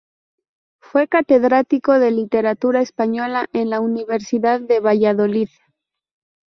Fue Catedrático de Literatura Española en la Universidad de Valladolid.